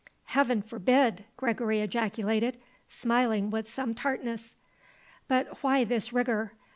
"Heaven forbid!" Gregory ejaculated, smiling with some tartness. "But why this rigour?